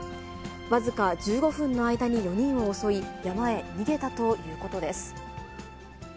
僅か１５分の間に４人を襲い、山へ逃げたということです。